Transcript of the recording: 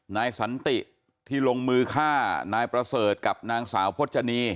นายสันติที่ลงมือฆ่านายประเสริฐกับนางสาวพจนี